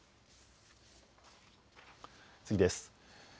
次です。